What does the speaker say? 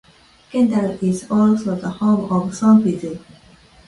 Kendall is also the home of Sofigi.